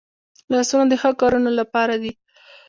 لاسونه د ښو کارونو لپاره دي